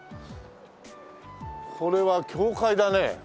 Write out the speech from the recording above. これは教会だね。